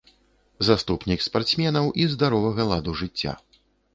Заступнік спартсменаў і здаровага ладу жыцця.